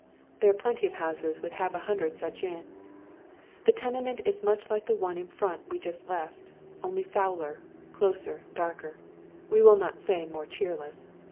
There are plenty of houses witli half a hundred such in. The tenement is much like the one in front we just left, only fouler, closer, darker— we will not say moj e cheerless.